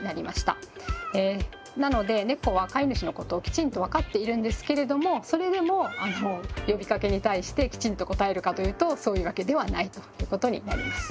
なのでネコは飼い主のことをきちんと分かっているんですけれどもそれでも呼びかけに対してきちんと応えるかというとそういうわけではないということになります。